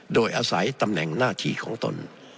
โดยอาศัยตำแหน่งหน้าที่ของตน